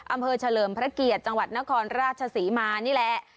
อำเภอเฉลิมพระเกียจังหวัดนครราชศรีมานี่แหละ